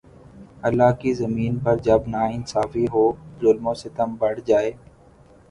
اللہ کی زمین پر جب ناانصافی ہو ، ظلم و ستم بڑھ جائے